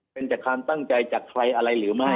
เป็นจากความตั้งใจจากใครอะไรหรือไม่